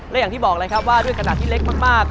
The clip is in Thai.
และอย่างที่บอกเลยครับว่าด้วยกระดาษที่เล็กมาก